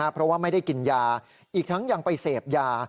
เพราะว่าไม่ได้กินยาอีกทั้งยังไปเสพยา